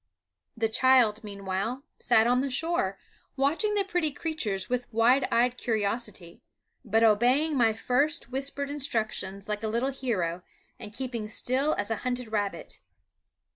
The child, meanwhile, sat on the shore, watching the pretty creatures with wide eyed curiosity, but obeying my first whispered instructions like a little hero and keeping still as a hunted rabbit.